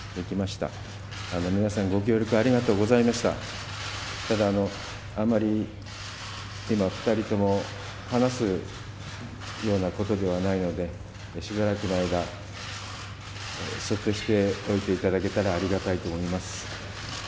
ただ、あんまり今、２人とも話すようなことではないので、しばらくの間、そっとしておいていただけたらありがたいと思います。